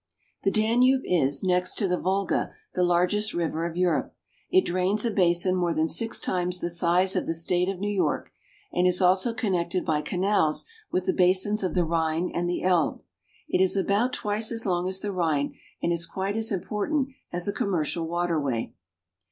THE Danube is, next to the Volga, the largest river of Europe. It drains a basin more than six times the size of the state of New York, and is also connected by canals with the basins of the Rhine and the Elbe. It is about twice as long as the Rhine, and is quite as important as a commercial water way.